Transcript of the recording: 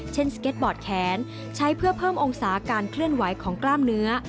สเก็ตบอร์ดแขนใช้เพื่อเพิ่มองศาการเคลื่อนไหวของกล้ามเนื้อ